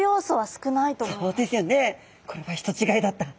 これは人違いだった。